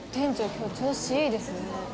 今日調子いいですね。